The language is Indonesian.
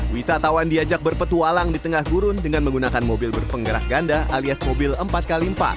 wisatawan diajak berpetualang di tengah gurun dengan menggunakan mobil berpenggerak ganda alias mobil empat x empat